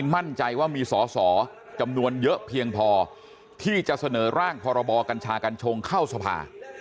มั่นใจว่ามีสอสอจำนวนเยอะเพียงพอที่จะเสนอร่างพรบกัญชากัญชงเข้าสภา